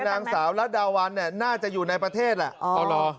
นางสาวรัดดาวันเนี่ยน่าจะอยู่ในประเทศแหละ